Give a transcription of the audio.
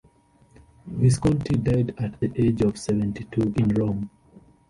Visconti died at the age of seventy-two in Rome.